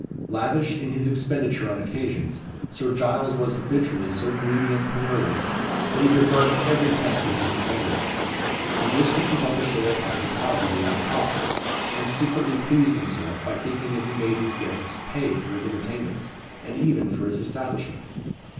Lavish in his expenditure on occasions, Sir Giles was habitually so greedy and penurious, that he begrudged every tester he expended. He wished to keep up a show of hospitality without cost, and secretly pleased himself by thinking that he made his guests pay for his entertainments, and even for his establishment.